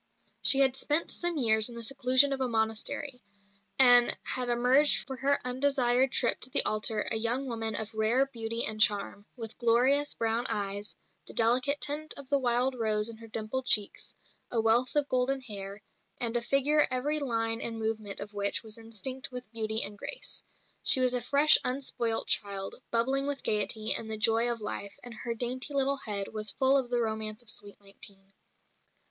She had spent some years in the seclusion of a monastery, and had emerged for her undesired trip to the altar a young woman of rare beauty and charm, with glorious brown eyes, the delicate tint of the wild rose in her dimpled cheeks, a wealth of golden hair, and a figure every line and movement of which was instinct with beauty and grace. She was a fresh, unspoilt child, bubbling with gaiety and the joy of life, and her dainty little head was full of the romance of sweet nineteen.